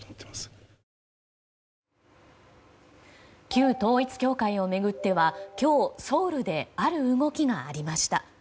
旧統一教会を巡っては今日、ソウルである動きがありました。